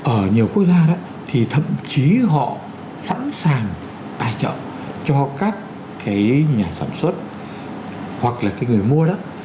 ở nhiều quốc gia thì thậm chí họ sẵn sàng tài trợ cho các cái nhà sản xuất hoặc là cái người mua đó